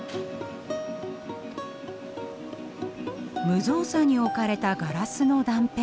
無造作に置かれたガラスの断片。